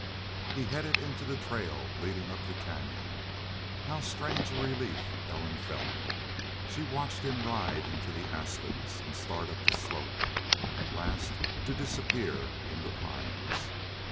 He headed into the trail leading up the canyon. How strange a relief Ellen felt! She watched him ride into the aspens and start up the slope, at last to disappear in the pines.